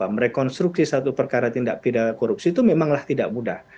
merekonstruksi satu perkara tindak pidana korupsi itu memanglah tidak mudah